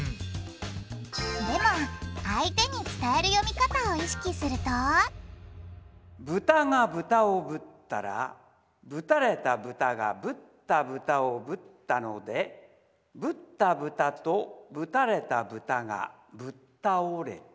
でも相手に伝える読み方を意識するとブタがブタをぶったらぶたれたブタがぶったブタをぶったのでぶったブタとぶたれたブタがぶったおれた。